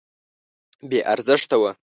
بې ارزښته وه.